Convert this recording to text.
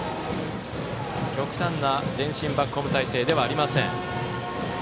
極端な前進バックホーム態勢ではありません。